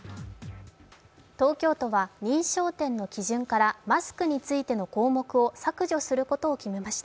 東京都は認証店の基準からマスクについての項目を削除することを決めました。